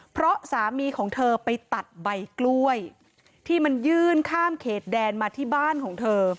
เพราะสามีของเธอไปตัดใบกล้วยที่มันยื่นข้ามเขตแดนมาที่บ้านของเธอ